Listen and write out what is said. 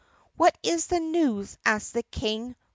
ii "What is the news?" asks the King.